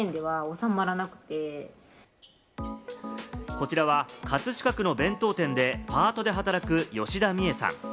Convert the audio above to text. こちらは葛飾区の弁当店でパートで働く吉田三枝さん。